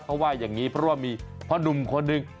เขาว่าอย่างนี้เพราะว่ามีพ่อหนุ่มคนหนึ่ง